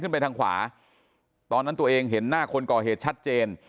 ไปทางขวาตอนนั้นตัวเองเห็นหน้าคนก่อเหตุชัดเจน